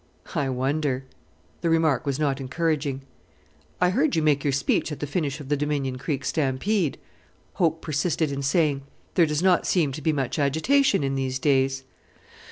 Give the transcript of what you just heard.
"I wonder!" The remark was not encouraging. "I heard you make your speech at the finish of the Dominion Creek stampede," Hope persisted in saying; "there does not seem to be much agitation in these days."